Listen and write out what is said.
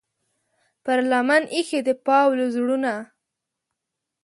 پر لمن ایښې د پاولو زړونه